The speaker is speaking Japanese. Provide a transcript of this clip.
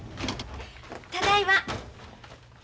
ただいま。